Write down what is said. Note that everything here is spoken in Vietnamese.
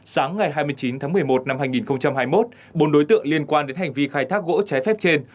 sáng ngày hai mươi chín tháng một mươi một năm hai nghìn hai mươi một bốn đối tượng liên quan đến hành vi khai thác gỗ trái phép trên